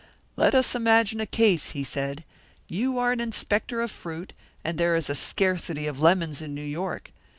"'Let us imagine a case,' he said. 'You are an inspector of fruit, and there is a scarcity of lemons in New York.